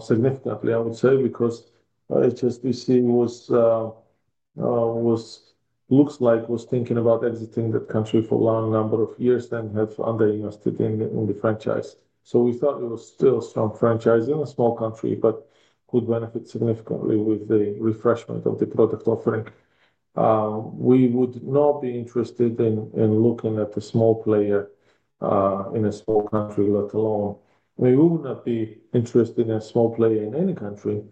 significantly, I would say, because HSBC was, looks like, was thinking about exiting that country for a long number of years and had underinvested in the franchise. We thought it was still a strong franchise in a small country but could benefit significantly with the refreshment of the product offering. We would not be interested in looking at a small player in a small country, let alone, we would not be interested in a small play in any country,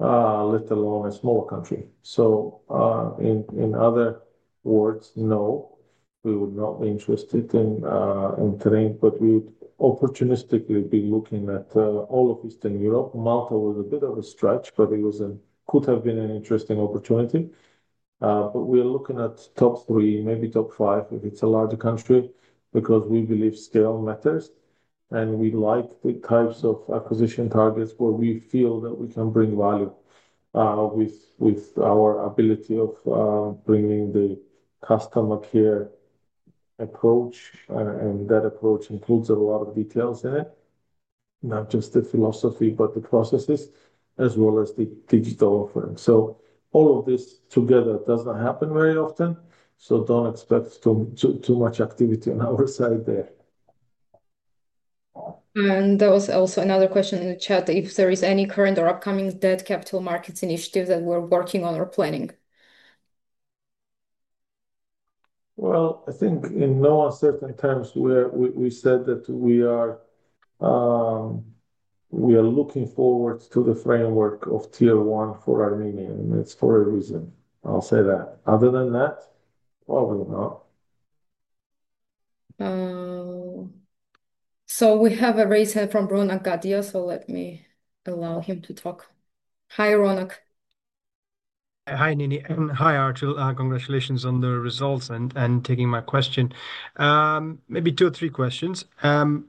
let alone a smaller country. In other words, no, we would not be interested in terrain but we'd opportunistically be looking at all of Eastern Europe. Malta was a bit of a stretch but it could have been an interesting opportunity. We are looking at top three, maybe top five if it's a larger country because we believe scale matters and we like the types of acquisition targets where we feel that we can bring value with our ability of bringing the customer care approach. That approach includes a lot of details in it, not just the philosophy but the processes as well as the digital offering. All of this together doesn't happen very often. Don't expect too much activity on our side there. There was also another question in the chat if there is any current or upcoming debt capital markets initiatives that we're working on or planning. I think in no uncertain times we said that we are looking forward to the framework of Tier 1 for Armenia, and it's for a reason. I'll say that other than that, probably not. We have a raised hand from Bruno Katia, so let me allow him to talk. Hi Ronak Hi Nini, and hi Archil. Congratulations on the results and taking my question, maybe two or three questions.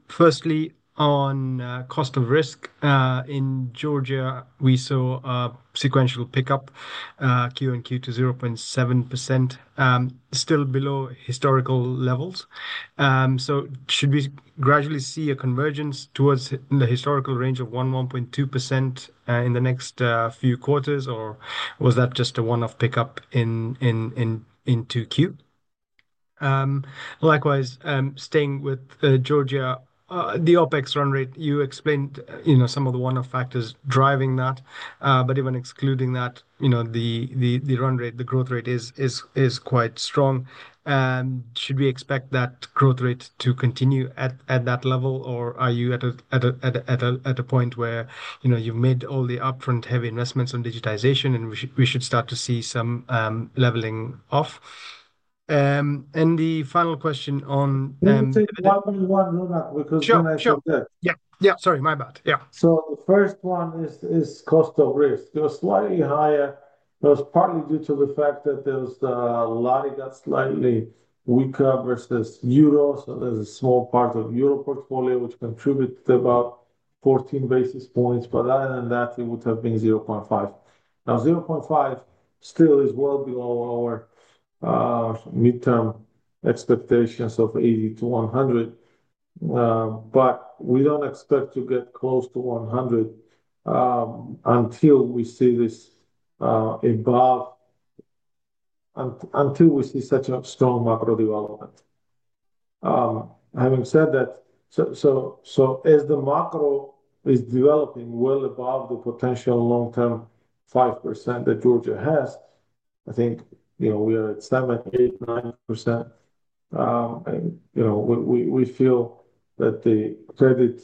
Firstly, on cost of risk in Georgia, we saw sequential pickup Q-on-Q to 0.7%, still below historical levels. Should we gradually see a convergence towards the historical range of 1%, .2% in the next few quarters, or was that just a one-off pickup in Q? Likewise, staying with Georgia, the OpEx run rate, you explained some of the one-off factors driving that. Even excluding that, the run rate, the growth rate is quite strong. Should we expect that growth rate to continue at that level, or are you at a point where you've made all the upfront heavy investments on digitization and we should start to see some leveling off? The final question on. The first one is cost of risk slightly higher. That's partly due to the fact that the Lari got slightly weaker versus Euro. There's a small part of Euro portfolio which contributed about 14 basis points, but it would have been 0.5%. Now, 0.5% still is well below our midterm expectations of 80-100. We don't expect to get close to 100 until we see this above, until we see such a strong macro development. Having said that, as the macro is developing well above the potential long-term 5% that Georgia has, I think we are at stamina 8, 9% and we feel that the credit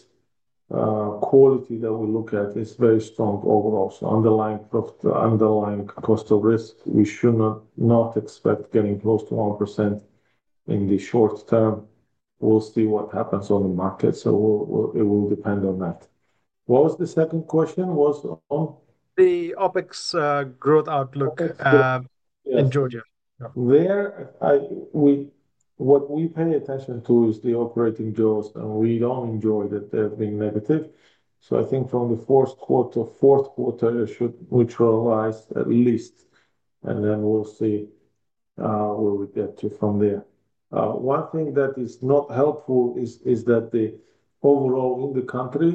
quality that we look at is very strong overall. Underlying profit, underlying cost of risk, we should not expect getting close to 1% in the short term. We'll see what happens on the market. It will depend on that. The second question was on? The OpEx growth outlook in Georgia. What we pay attention to is the operating jaws, and we don't enjoy that being negative. From the fourth quarter, you should materialize at least, and then we'll see where we get to from there. One thing that is not helpful is that overall in the country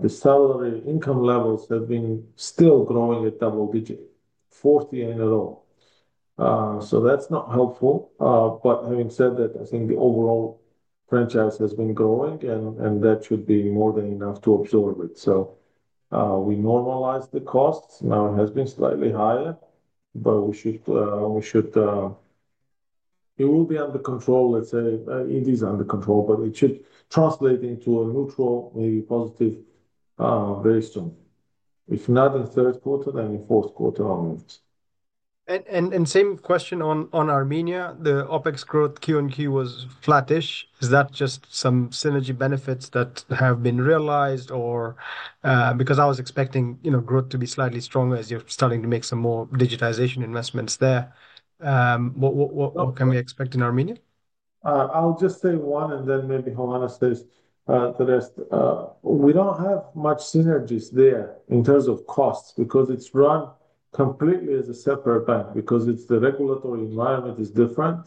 the salary income levels have been still growing at double digit for a year in a row. That's not helpful. Having said that, the overall franchise has been going, and that should be more than enough to absorb it. We normalize the costs. It has been slightly higher, but it will be under control. Let's say it is under control, but it should translate into a neutral, maybe positive or very strong. If not the third quarter, then the fourth quarter are moved. The same question on Armenia: the OpEx growth Q-on-Q was flattish. Is that just some synergy benefits that have been realized? I was expecting growth to be slightly stronger as you're starting to make some more digitization investments there. What can we expect in Armenia? I'll just say one and then maybe Hovhannes says we don't have much synergies there in terms of costs because it's run completely as a separate bank, because the regulatory environment is different.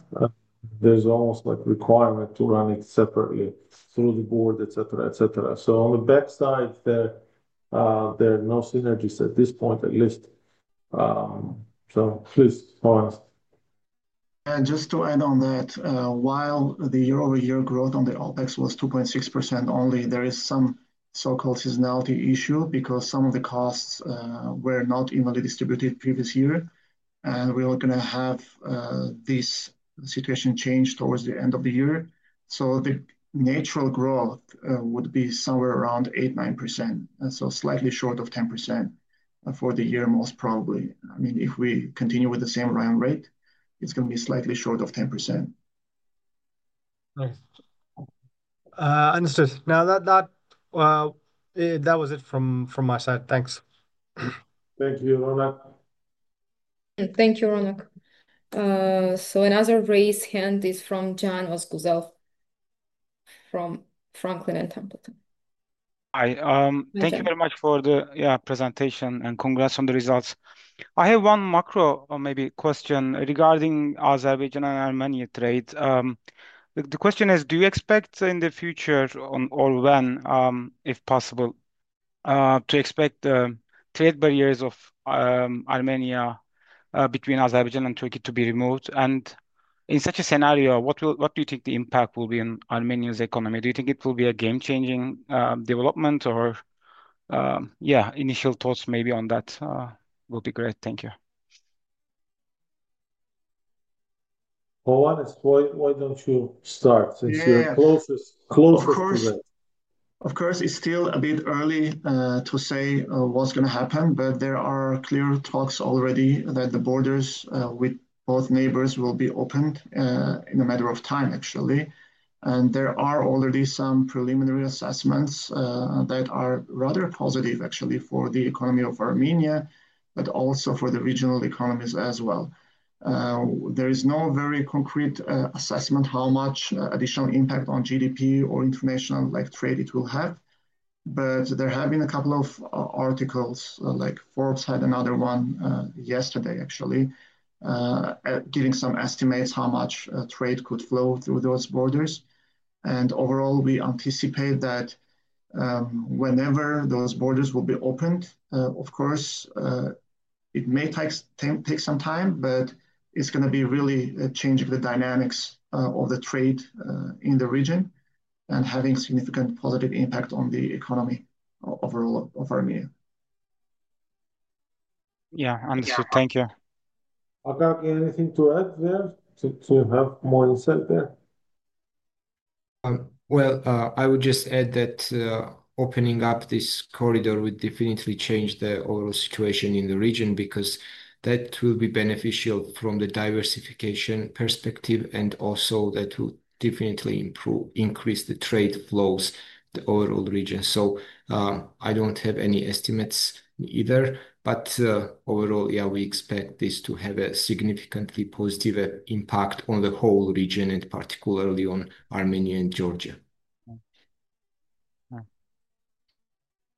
There's almost like requirement to run it separately through the board, et cetera, et cetera. On the bad side, there are no synergies at this point at least. Please. Just to add on that, while the year-over-year growth on the operating expenses was 2.6% only, there is some so-called seasonality issue because some of the costs were not evenly distributed previous year, and we are going to have this situation change towards the end of the year. The natural growth would be somewhere around 8%, 9%. Slightly short of 10% for the year most probably. I mean, if we continue with the same run rate, it's going to be slightly short of 10%. Nice. Understood. Now, that was it from my side. Thanks. Thank you, Ronak. Thank you, Ronak. Another raised hand is from Can Ozguzel from Franklin Templeton. Hi, thank you very much for the presentation and congrats on the results. I have one macro or maybe question regarding Azerbaijan and Armenia. The question is do you expect in the future or when if possible to expect trade barriers of Armenia between Azerbaijan and Turkey to be removed, and in such a scenario what do you think the impact will be in Armenia's economy? Do you think it will be a game changing development or, yeah, initial thoughts maybe on that would be great. Thank you. Hovhannes, why don't you start since you're closer to it. Of course it's still a bit early to say what's going to happen, but there are clear talks already that the borders with both neighbors will be opened in a matter of time, actually, and there are already some preliminary assessments that are rather positive, actually, for the economy of Armenia but also for the regional economies as well. There is no very concrete assessment how much additional impact on GDP or international trade it will have. There have been a couple of articles, like Forbes had another one yesterday, actually giving some estimates how much trade could flow through those borders, and overall we anticipate that whenever those borders will be opened, of course it may take some time, but it's going to be really changing the dynamics of the trade in the region and having significant positive impact on the economy overall of Armenia. Yeah, understood. Thank you. Akaki anything to add there should have more insight there. I would just add that opening up this corridor would definitely change the overall situation in the region because that will be beneficial from the diversification perspective, and also that will definitely improve, increase the trade flows in the overall region. I don't have any estimates either, but overall, yeah, we expect this to have a significantly positive impact on the whole region and particularly on Armenia and Georgia.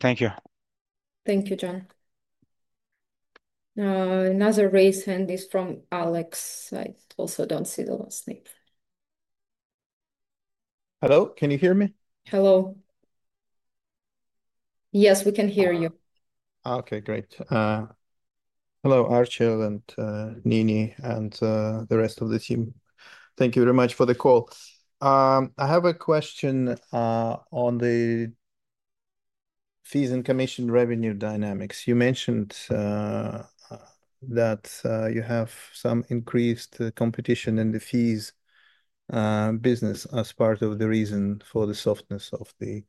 Thank you. Thank you, Can. Another raised hand is from Alex. I also don't see the last name. Hello, can you hear me? Hello? Yes, we can hear you. Okay, great. Hello Archil and Nini and the rest of the team. Thank you very much for the call. I have a question on the fees and commission revenue dynamics. You mentioned that you have some increased competition in the fees business as part of the reason for the softness of the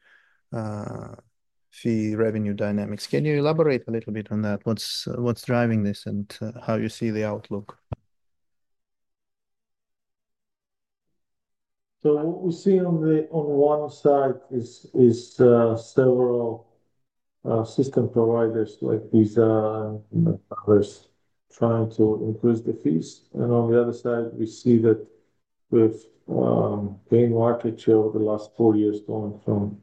fee revenue dynamics. Can you elaborate a little bit on that? What's driving this, and how you see the outlook? What we see on one side is several system providers like Visa trying to increase the fees, and on the other side we see that with pain market share over the last four years going from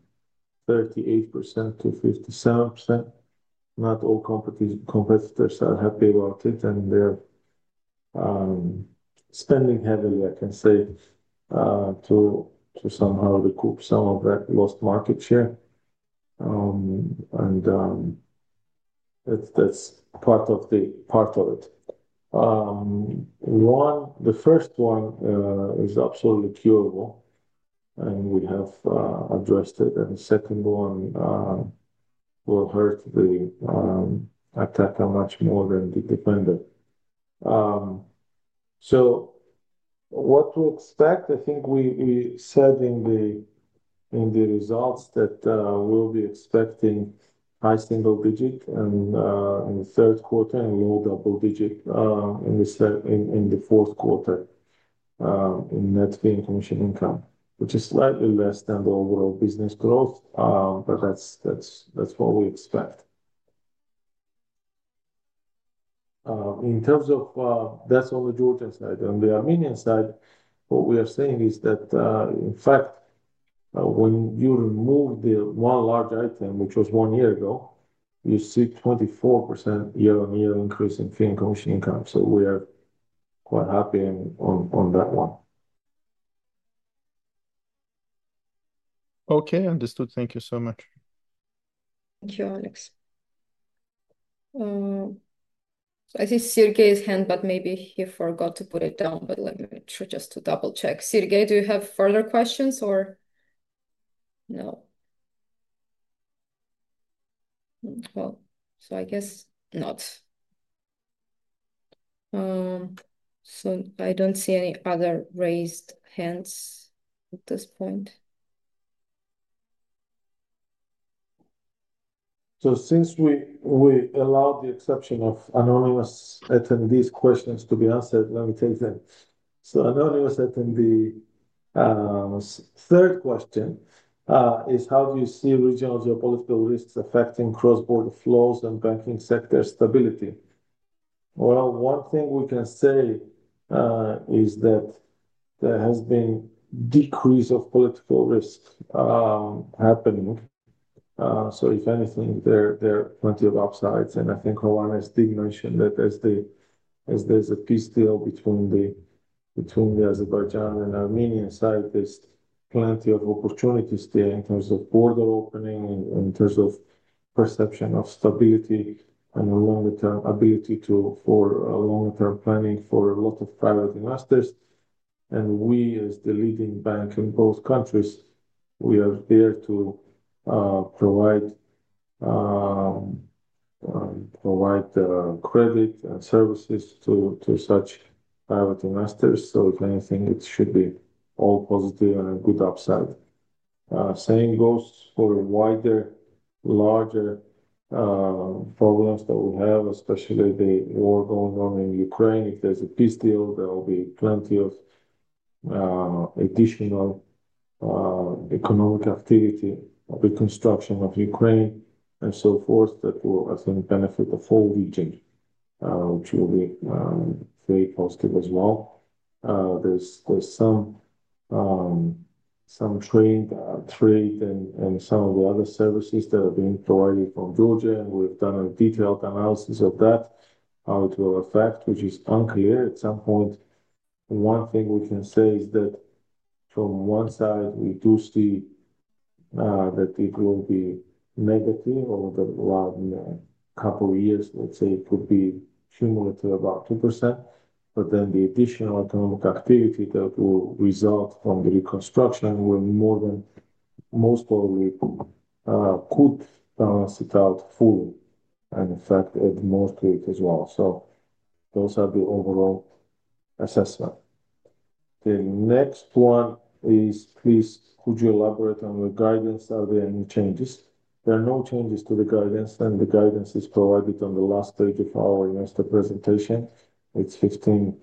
38%-57%, not all competitors are happy about it and they're spending heavily, I can say, to somehow recoup some of that lost market share. That's part of it. The first one is absolutely curable and we have addressed it. The second one will hurt the attacker much more than the dependent. We expect, I think we said in the results, that we'll be expecting high single digit in the third quarter and low double digit in the fourth quarter. That's being commission income, which is slightly less than the overall business growth. That's what we expect in terms of that's on the Georgia side. On the Armenian side, what we are saying is that in fact, when you remove the one large item which was one year ago, you see 24% year-on-year increase in fee and commission income. We are quite happy on that one. Okay, understood. Thank you so much. Thank you, Alex. I see Sergej's hand, but maybe he forgot to put it down. Let me try just to double check. Sergej, do you have further questions or no? I guess not. I don't see any other raised hands at this point. Since we allowed the exception of anonymous attendees' questions to be answered, let me take them. Anonymous attendee's third question is, how do you see regional geopolitical risks affecting cross-border flows and banking sector stability? One thing we can say is that there has been a decrease of political risk happening. If anything, there are plenty of upsides, and I think Hovhannes did mention that as there's a peace deal between the Azerbaijan and Armenian side, there are plenty of opportunities there in terms of border opening, in terms of perception of stability, and longer-term ability for longer-term planning for a lot of private investors. We, as the leading bank in both countries, are there to provide credit and services to such private investors. If anything, it should be all positive and a good upside. The same goes for wider, larger problems that we have, especially the war going on in Ukraine. If there's a peace deal, there will be plenty of additional economic activity, reconstruction of Ukraine, and so forth that will assume benefit of all regions, which will be a big positive as well. There's some trade and some of the other services that have been provided from Georgia, and we've done a detailed analysis of that, how it will affect, which is unclear at some point. One thing we can say is that from one side, we do see that it will be negative over the last couple of years. Let's say it could be cumulative about 2%, but then the additional economic activity that will result from the reconstruction will more than most probably could balance it out fully, and in fact, at most rates as well. Those are the overall assessment. The next one, please. Would you elaborate on the guidance? Are there any changes? There are no changes to the guidance, and the guidance is provided on the last page of our investor presentation. It's 15%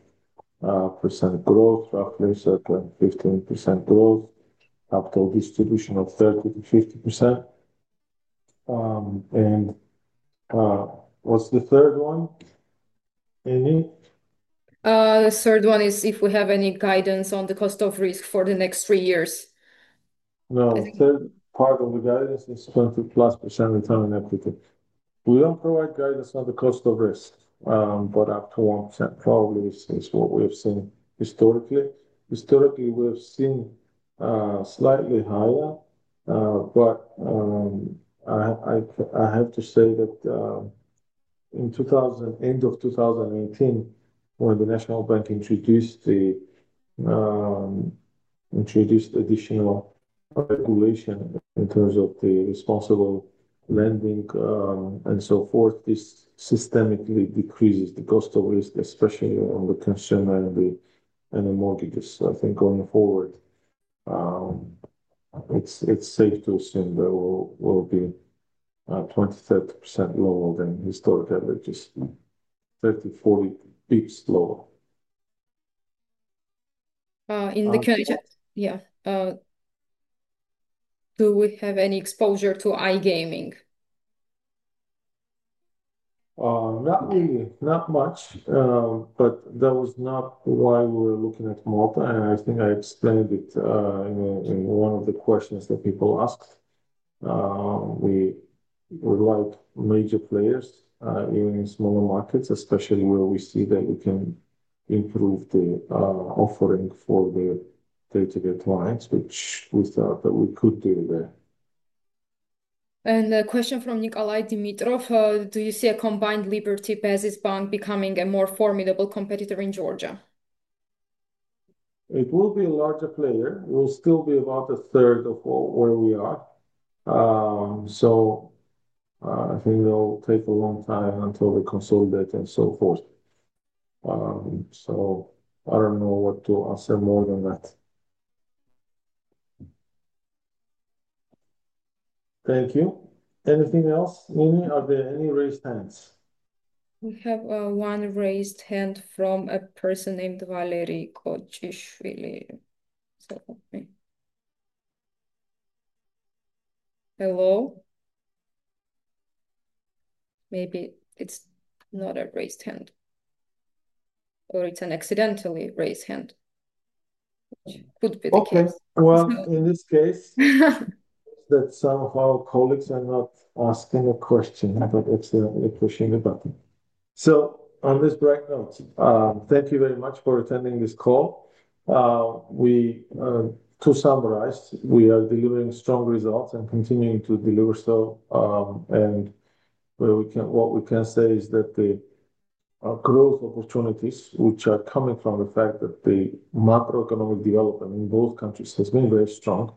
growth factors at 15% growth, capital distribution of 30%-50%. And what's the third one? Any. The third one is if we have any guidance on the cost of risk for the next three years. No third part of the guidance is 20%+ return on equity. We don't provide guidance on the cost of risk, but up to 1% probably is what we have seen historically. Historically we've seen slightly higher, but I have to say that in 2018, when the national bank introduced additional regulation in terms of responsible lending and so forth, this systemically decreases the cost of risk, especially on the consumer and on mortgages. I think going forward it's safe to assume there will be 20%-30% lower than historic average, 30-40 bps lower. Do we have any exposure to iGaming? Not really. Not much. That was not why we were looking at Malta. I think I explained it in one of the questions that people asked. We like major players even in smaller markets, especially where we see that we can improve the offering for the day-to-day clients, which we thought that we could do there. A question from Nikolai Dimitrov. Do you see a combined Liberty Basis Bank becoming a more formidable competitor in Georgia? It will be a larger player. We'll still be about a third of where we are. I think they'll take a long time until we consolidate and so forth. I don't know what to answer more than that. Thank you. Anything else, Nini? Are there any raised hands? We have one raised hand from a person named Valeri Kotishvili. Hello. Maybe it's not a raised hand or it's an accidentally raised hand. In this case, colleagues are not asking a question but accidentally pushing the button. On this bright note, thank you very much for attending this call. To summarize, we are delivering strong results and continuing to deliver so. What we can say is that the growth opportunities which are coming from the fact that the macroeconomic development in both countries has been very strong,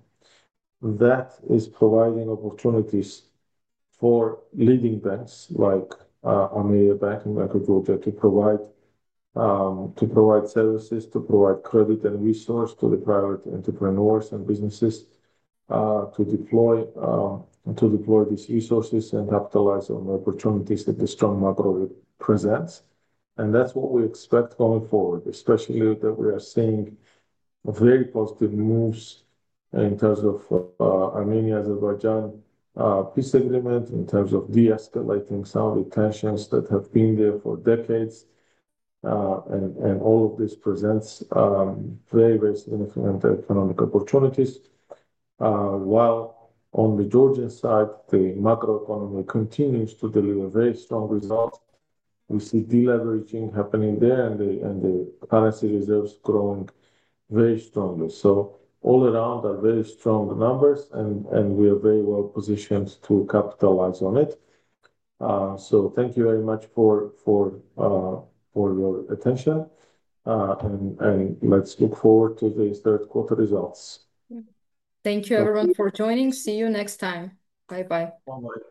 that is providing opportunities for leading banks like Ameriabank, Bank of Georgia, to provide services, to provide credit and resource to the private entrepreneurs and businesses to deploy these resources and capitalize on the opportunities that this strong mapping presents. That's what we expect going forward, especially that we are seeing very positive news in terms of Armenia peace agreement in terms of de-escalating some of the tensions that have been there for decades. All of this presents very, very significant economic opportunities while on the Georgian side the macroeconomy continues to deliver very strong results. We see deleveraging happening there and the currency reserves growing very strongly. All around are very strong numbers and we are very well positioned to capitalize on it. Thank you very much for your attention and let's look forward to these third quarter results. Thank you everyone for joining. See you next time. Bye bye.